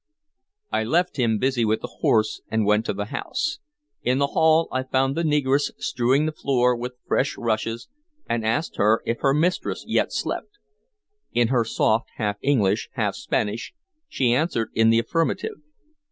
I left him busy with the horse, and went to the house. In the hall I found the negress strewing the floor with fresh rushes, and asked her if her mistress yet slept. In her soft half English, half Spanish, she answered in the affirmative.